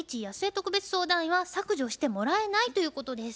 特別相談員は「削除してもらえない」ということです。